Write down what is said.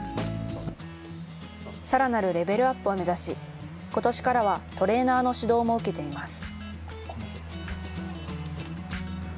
さらなるレベルアップを目指し、ことしからはトレーナーの指導も受けています。